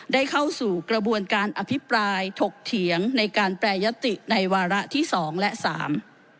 เข้าสู่กระบวนการอภิปรายถกเถียงในการแปรยติในวาระที่สองและสาม